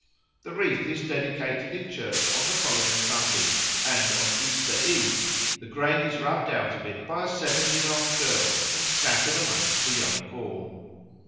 The wreath is dedicated in church on the following Sunday; and on Easter Eve the grain is rubbed out of it by a seven year old girl and scattered amongst the young corn.